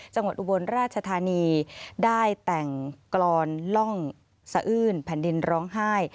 อุบลราชธานีได้แต่งกรอนร่องสะอื้นแผ่นดินร้องไห้